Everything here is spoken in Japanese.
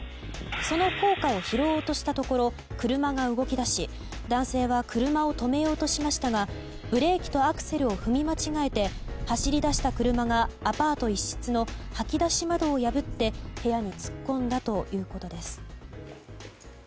その硬貨を拾おうとしたところ車が動き出し男性は車を止めようとしましたがブレーキとアクセルを踏み間違えて走り出した車がアパート一室の掃き出し窓を破って部屋に突っ込んだということです。